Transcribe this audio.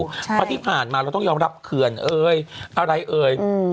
เพราะที่ผ่านมาเราต้องยอมรับเขื่อนเอ่ยอะไรเอ่ย